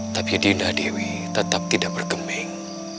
tetap tidak berkeming